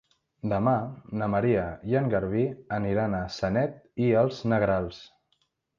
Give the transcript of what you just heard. Demà na Maria i en Garbí aniran a Sanet i els Negrals.